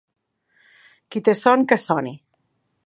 Qui té son que soni.